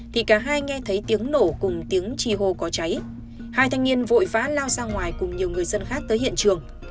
hai thanh niên vội phá lao ra ngoài cùng nhiều người dân khác tới hiện trường